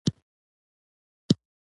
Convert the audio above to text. بهترینه مذهبي نسخه انتخاب کړو.